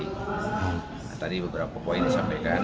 jadi tadi beberapa poin disampaikan